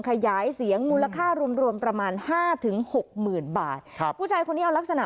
ขยายเสียงมูลค่ารวมรวมประมาณห้าถึงหกหมื่นบาทครับผู้ชายคนนี้เอาลักษณะ